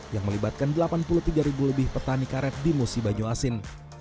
yang melibatkan delapan puluh tiga ribu lebih petani karet di musi banyu asin